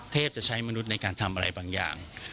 จะใช้มนุษย์ในการทำอะไรบางอย่าง